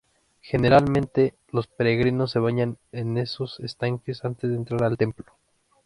Generalmente los peregrinos se bañan en esos estanques antes de entrar al templo.